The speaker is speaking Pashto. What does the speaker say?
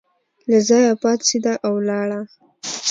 له ځایه پاڅېده او ولاړه.